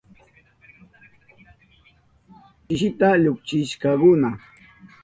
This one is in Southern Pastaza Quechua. Chisita llukshishkakuna.